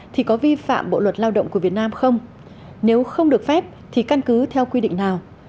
thì có vi phạm bộ luật lao động của việt nam không nếu không được phép thì căn cứ theo quy định nào